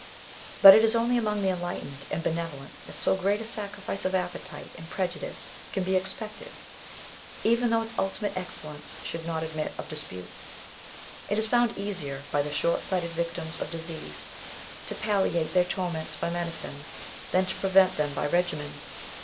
But it is only among the enlightened and benevolent that so great a sacrifice of appetite and prejudice can be expected, even though its ultimate excellence should not admit of dispute. Digitized by Google A Vindication of Naiural Diet. 19 It is found easier, by the short sighted victims of disease, to palliate their torments by medicine, than to prevent them by regimen.